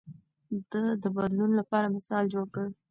ده د بدلون لپاره مثال جوړ کړ.